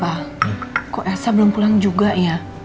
wah kok elsa belum pulang juga ya